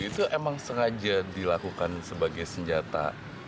itu emang sengaja dilakukan sebagai senjata